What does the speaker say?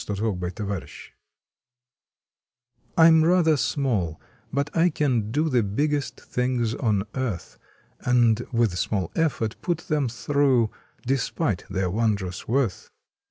June Twenty third ACHIEVEMENT M rather small, but I can do The biggest things on earth, And with small effort put em through Despite their wondrous worth.